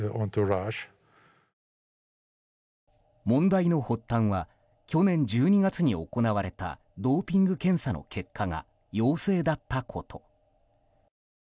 問題の発端は去年１２月に行われたドーピング検査の結果が陽性だったこと。